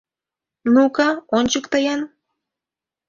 — Ну-ка, ончыкто-ян?